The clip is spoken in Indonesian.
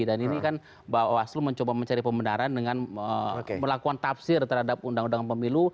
dan ini kan bawaslu mencoba mencari pembendaran dengan melakukan tafsir terhadap undang undang pemilu